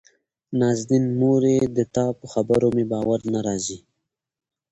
نازنين: مورې دتا په خبرو مې باور نه راځي.